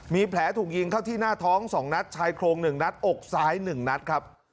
มีแผลถูกยิงเข้าที่หน้าท้อง๒นัดชายโครง๑นัดอกซ้าย๑นัดครับ